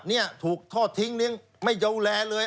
นี่ถูกทอดทิ้งนึงไม่โยแหลเลย